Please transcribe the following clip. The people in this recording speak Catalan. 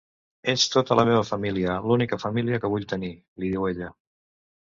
“Ets tota la meva família, l’única família que vull tenir”, li diu ella.